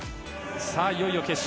いよいよ決勝。